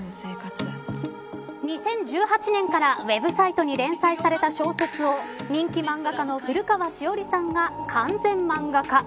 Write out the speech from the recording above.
２０１８年からウェブサイトに連絡連載された小説を人気漫画家のふるかわしおりさんが完全漫画化。